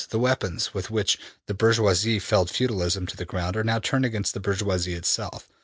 '' ``The weapons with which the bourgeoisie felled feudalism to the ground are now turned against the bourgeoisie itself.